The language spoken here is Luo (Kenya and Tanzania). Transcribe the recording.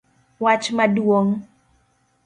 Wach maduong'